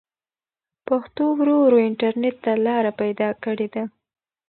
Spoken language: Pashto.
پښتو ورو ورو انټرنټ ته لاره پيدا کړې ده.